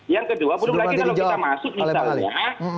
yang kedua belum lagi kalau kita masuk misalnya